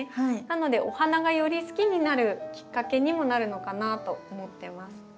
なのでお花がより好きになるきっかけにもなるのかなと思ってます。